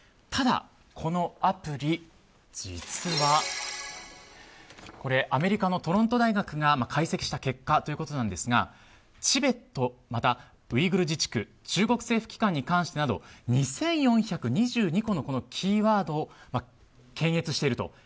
ただ、このアプリ実は、アメリカのトロント大学が解析した結果ということですがチベット、またはウイグル自治区中国政府機関に関してなど２４４２個のキーワードを検閲していると。